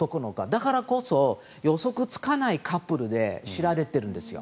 だからこそ予測つかないカップルで知られてるんですよ。